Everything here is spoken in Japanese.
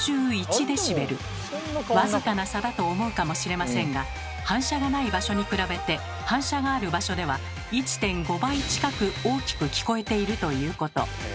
僅かな差だと思うかもしれませんが反射がない場所に比べて反射がある場所では１．５倍近く大きく聞こえているということ。